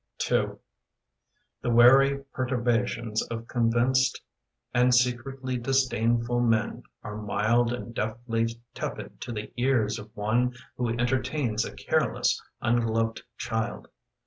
II X HE wary perturbations of convinced And secretly disdainful men are mild And deftly tepid to the ears of one Who entertains a careless, ungloved child.